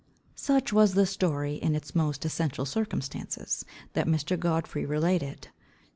_ Such was the story, in its most essential circumstances, that Mr. Godfrey related.